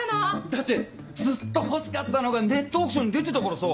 だってずっと欲しかったのがネットオークションに出てたからさ。